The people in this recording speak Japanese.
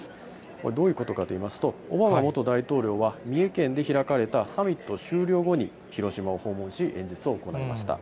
これ、どういうことかといいますと、オバマ元大統領は、三重県で開かれたサミット終了後に、広島を訪問し、演説を行いました。